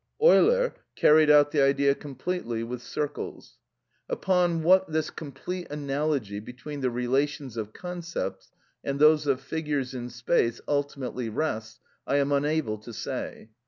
Euler carried out the idea completely with circles. Upon what this complete analogy between the relations of concepts, and those of figures in space, ultimately rests, I am unable to say.